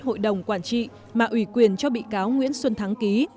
hội đồng quản trị mà ủy quyền cho bị cáo nguyễn xuân thắng ký